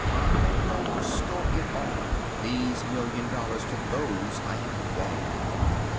I will restore it all, these million dollars, to those I have wronged."